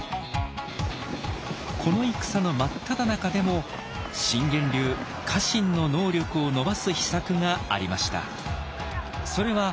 この戦の真っただ中でも「信玄流家臣の能力を伸ばす」秘策がありました。